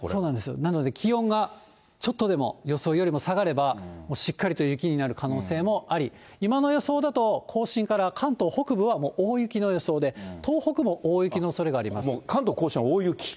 なので、気温がちょっとでも予想より下がれば、もうしっかりと雪になる可能性もあり、今の予想だと、更新から関東北部はもう大雪の予想で、もう関東甲信は大雪。